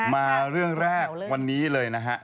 มาเรื่องแรกวันนี้เลยนะฮะ